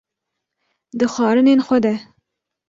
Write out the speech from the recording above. di xwarinên xwe de